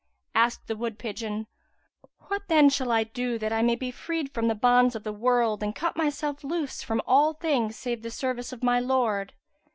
Asked the wood pigeon, "What then shall I do that I may be freed from the bonds of the world and cut myself loose from all things save the service of my Lord?"